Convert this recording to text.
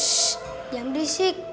shh jangan berisik